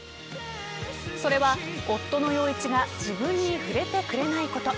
それは、夫の陽一が自分に触れてくれないこと。